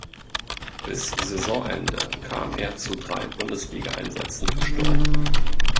Bis Saisonende kam er zu drei Bundesligaeinsätzen für Sturm.